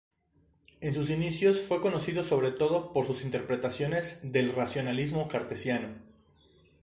En sus inicios fue conocido sobre todo por sus interpretaciones del racionalismo cartesiano.